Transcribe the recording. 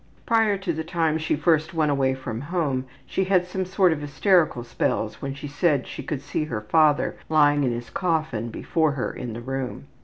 Prior to the time she first went away from home she had some sort of hysterical spells when she said she could see her father lying in his coffin before her in the room.